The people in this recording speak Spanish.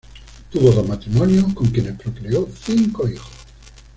Tuvo dos matrimonios, con quienes procreó cinco hijos.